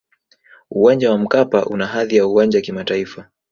uwanja wa mkapa una hadhi ya uwanja kimataifa